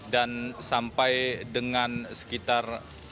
dan sampai dengan sekitar